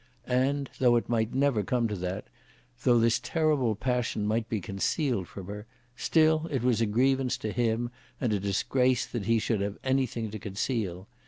And, though it might never come to that, though this terrible passion might be concealed from her, still it was a grievance to him and a disgrace that he should have anything to conceal.